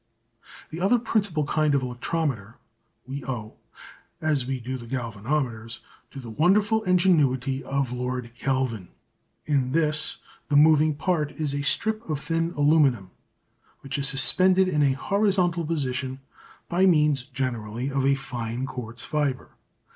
The other principal kind of electrometer we owe, as we do the galvanometers, to the wonderful ingenuity of Lord Kelvin. In this the moving part is a strip of thin aluminium, which is suspended in a horizontal position by means, generally, of a fine quartz fibre.